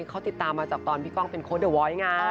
เขาติดตามมาจากตอนพี่ก้องเป็นโค้ดเดอร์วอยไง